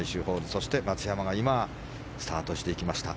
そして、松山が今スタートしていきました。